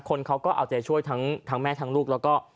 คนเขาก็เอาใจช่วยทั้งแม่ทั้งลูกแล้วก็